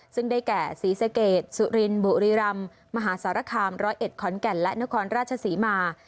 ซึ่งได้แก่ศรีสะเกดสุรินบุรีรำมหาสารคาม๑๐๑ขอนแก่นและนครราชศรีมา